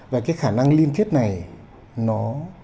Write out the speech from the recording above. và cái khả năng liên kết này nó